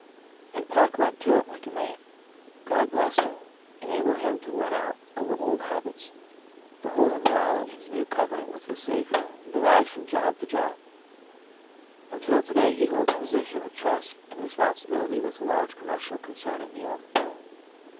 And Park "went to it," like a man. God blessed him, enabled him to win out over old habits, to hold inviolate his new covenant with his Saviour, and to rise from job to job, until to day he holds a position of trust and responsibility with a large commercial con cern in New York.